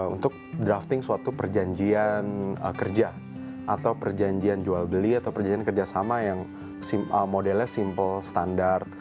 untuk drafting suatu perjanjian kerja atau perjanjian jual beli atau perjanjian kerjasama yang modelnya simple standard